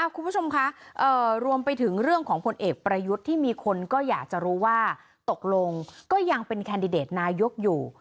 คุณผู้ชมคะรวมไปถึงเรื่องของผลเอกประยุทธ์ที่มีคนก็อยากจะรู้ว่าตกลงก็ยังเป็นแคนดิเดตนายกอยู่